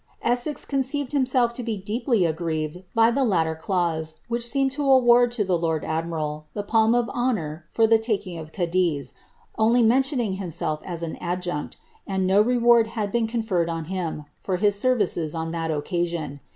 Essex conceived himself to be deeply aggrieved by the latter clause, which seemed to award to the lord admiral, the palm of honour for the taking of Cadiz, only mentioning himself as an adjunct, and no reward had been conferred on him, for his services on that occasion.